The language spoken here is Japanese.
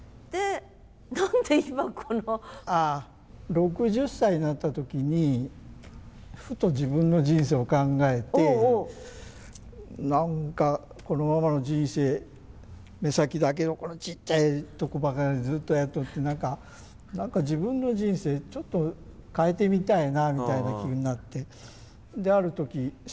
６０歳になった時にふと自分の人生を考えて何かこのままの人生目先だけのこのちっちゃいとこばかりずっとやっとって何か自分の人生ちょっと変えてみたいなみたいな気になってである時船頭さんの募集がありまして。